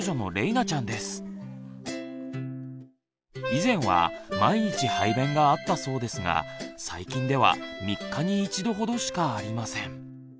以前は毎日排便があったそうですが最近では３日に一度ほどしかありません。